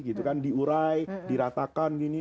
gitu kan diurai diratakan gini